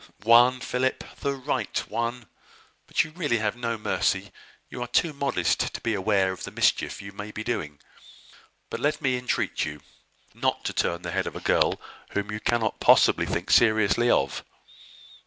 "One, Philip; the right one. But you really have no mercy. You are too modest to be aware of the mischief you may be doing. But let me entreat you not to turn the head of a girl whom you cannot possibly think seriously of."